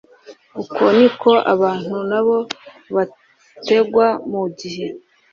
uko ni ko abantu na bo bategwa mu gihe